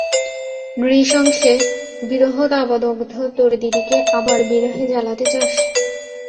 নৃশংসে, বিরহদাবদগ্ধ তোর দিদিকে আবার বিরহে জ্বালাতে চাস?